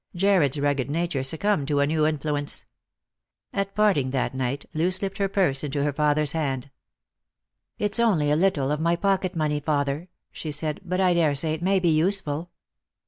Jarred'a rugged nature succumbed to a new influence. At parting that night, Loo slipped her purse into her father's hand. " It's only a little of my pocket money, father," she said, " but I daresay it may be useful."